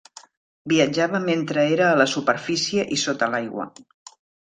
Viatjava mentre era a la superfície i sota l'aigua.